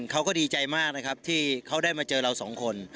เขาก็ดีใจมากนะครับที่เขาได้มาเจอเราสองคน